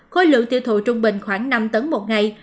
khối lượng tiêu thụ trung bình khoảng năm tấn một ngày